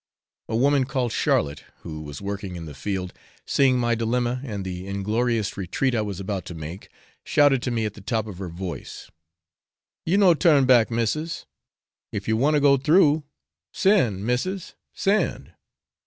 A woman called Charlotte, who was working in the field, seeing my dilemma and the inglorious retreat I was about to make, shouted to me at the top of her voice, 'You no turn back, missis! if you want to go through, send, missis, send!